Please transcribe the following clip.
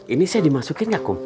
ini saya dimasukin gak kum